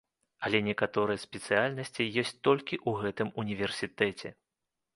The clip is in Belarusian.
Але некаторыя спецыяльнасці ёсць толькі ў гэтым універсітэце.